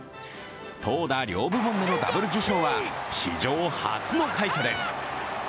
投打両部門でのダブル受賞は史上初の快挙です。